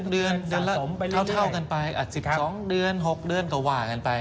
เดือนละเท่ากันไป๑๒เดือน๖เดือนก็ว่ากันไป